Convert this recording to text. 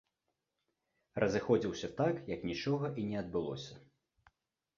Разыходзіўся так, як нічога і не адбылося.